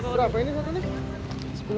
berapa ini bu